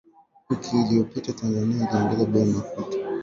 Wiki iliyopita, Tanzania iliongeza bei ya mafuta